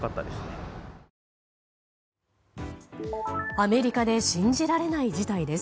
アメリカで信じられない事態です。